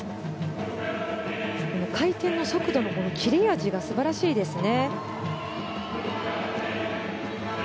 回転の速度の切れ味が素晴らしいですね。